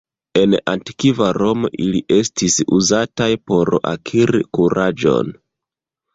En Antikva Romo ili estis uzataj por akiri kuraĝon.